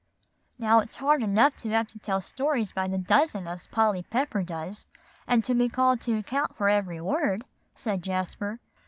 "Now, it's hard enough to have to tell stories by the dozen as Polly Pepper does, and be called to account for every word," said Jasper.